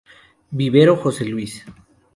Vivero, Jose Luis.